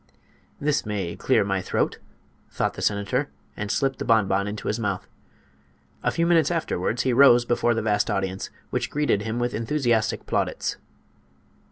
"This may clear my throat," thought the senator, and slipped the bonbon into his mouth. A few minutes afterwards he arose before the vast audience, which greeted him with enthusiastic plaudits.